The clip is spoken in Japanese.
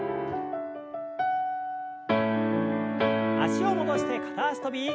脚を戻して片脚跳び。